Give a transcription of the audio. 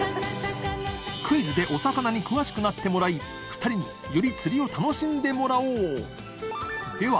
お魚に詳しくなってもらい何佑より釣りを楽しんでもらおう！